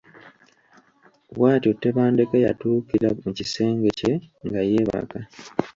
Bw’atyo Tebandeke yatuukira mu kisenge kye nga yeebaka.